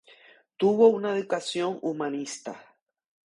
Tuvo una educación humanista.